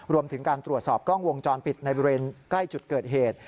รวมถึงการตรวจสอบกล้องวงจรปิดในบริเวณใกล้จุดเกิดเหตุ